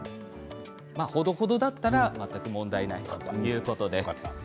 ほどほどだったら全く問題ないということです。